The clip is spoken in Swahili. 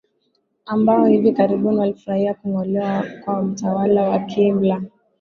ambao hivi karibuni walifurahia kung olewa kwa mtawala wa kiimla